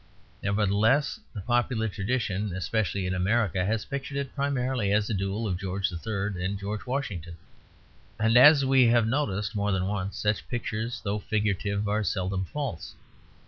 Nevertheless, the popular tradition, especially in America, has pictured it primarily as a duel of George III. and George Washington; and, as we have noticed more than once, such pictures though figurative are seldom false.